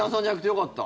よかった。